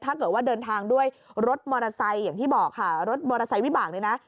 ถ้าเกิดว่าเดินทางด้วยรถมอเตอร์ไซค์รถมอเตอร์ไซค์วิบาลด้วยนะ